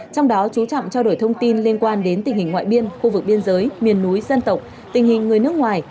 trong đó chú trọng trao đổi thông tin liên quan đến tình hình ngoại biên khu vực biên giới miền núi dân tộc tình hình người nước ngoài